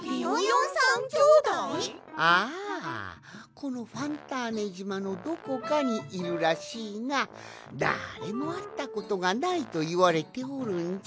このファンターネじまのどこかにいるらしいがだれもあったことがないといわれておるんじゃ。